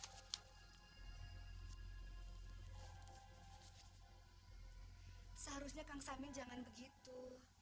hai seharusnya kang samin jangan begitu